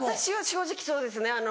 私は正直そうですね